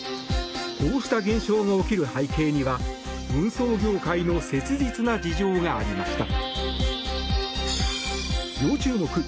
こうした現象が起きる背景には運送業界の切実な事情がありました。